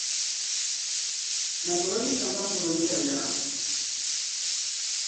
Naporoo yi sambani polo n-kpiɛri yiŋa.